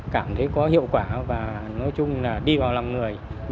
cảm thấy có hiệu quả và nói chung là đi vào lòng người